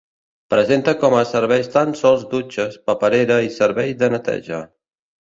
Presenta com a serveis tan sols dutxes, paperera i servei de neteja.